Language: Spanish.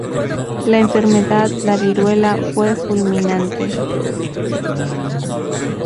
La enfermedad, la viruela, fue fulminante.